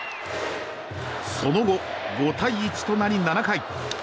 その後、５対１となり７回。